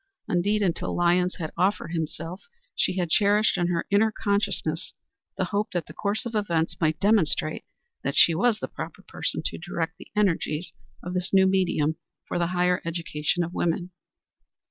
Indeed, until Lyons had offered himself she had cherished in her inner consciousness the hope that the course of events might demonstrate that she was the proper person to direct the energies of this new medium for the higher education of women.